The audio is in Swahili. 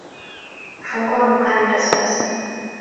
Fungua mkanda sasa